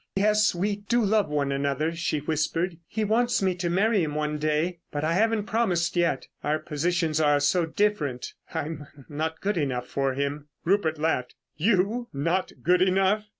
"Yes, we do love one another," she whispered. "He wants me to marry him one day, but I haven't promised yet. Our positions are so different. I'm not good enough for him." Rupert laughed. "You, not good enough!"